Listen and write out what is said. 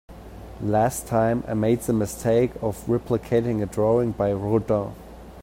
Last time, I made the mistake of replicating a drawing by Rodin.